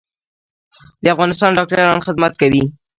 د افغانستان ډاکټران خدمت کوي